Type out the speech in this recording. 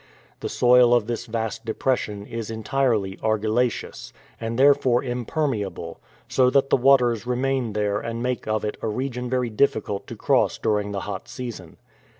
The soil of this vast depression is entirely argillaceous, and therefore impermeable, so that the waters remain there and make of it a region very difficult to cross during the hot season.